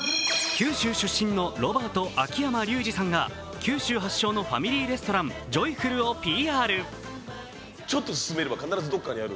九州出身のロバート秋山竜次さんが九州発祥のファミリーレストランジョイフルをＰＲ。